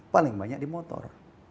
paling banyak di motor